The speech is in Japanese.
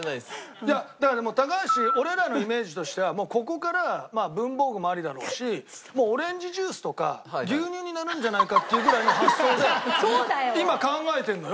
いやだからもう高橋俺らのイメージとしてはここからまあ文房具もありだろうしオレンジジュースとか牛乳になるんじゃないかっていうぐらいの発想で今考えてるのよ